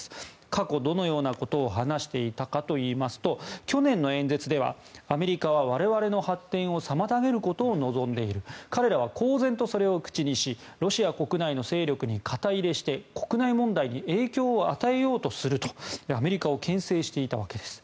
過去どのようなことを話していたかといいますと去年の演説ではアメリカは我々の発展を妨げることを望んでいる彼らは公然とそれを口にしロシア国内の勢力に肩入れして国内問題に影響を与えようとするとアメリカをけん制していたわけです。